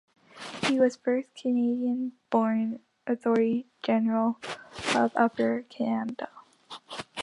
He was the first Canadian-born attorney general of Upper Canada.